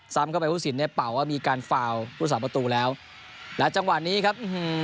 เข้าไปผู้สินเนี่ยเป่าว่ามีการฟาวผู้สาประตูแล้วและจังหวะนี้ครับ